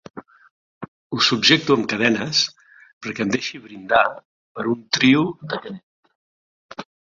Ho subjecto amb cadenes perquè em deixi brindar per un trio de Canet.